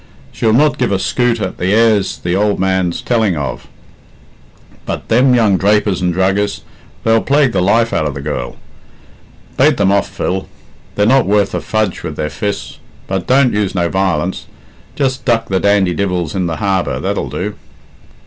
She'll not give a skute at the heirs the ould man's telling of; but them young drapers and druggists, they'll plague the life out of the girl. Bate them off, Phil. They're not worth a fudge with their fists. But don't use no violence. Just duck the dandy divils in the harbour that'll do."